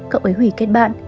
cậu ấy hủy kết bạn